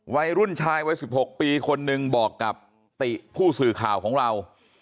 วัยรุ่นชายวัย๑๖ปีคนนึงบอกกับติผู้สื่อข่าวของเรา